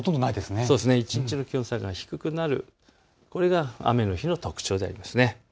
一日の気温差が低くなる、これが雨の日の特徴ですね。